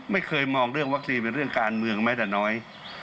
ไม่เคยมองเรื่องวัคซีนเป็นเรื่องการเมืองแม้แต่น้อย